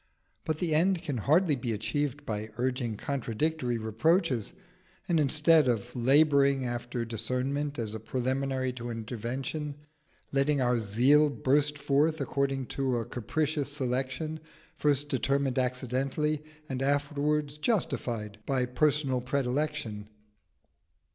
But the end can hardly be achieved by urging contradictory reproaches, and instead of labouring after discernment as a preliminary to intervention, letting our zeal burst forth according to a capricious selection, first determined accidentally and afterwards justified by personal predilection.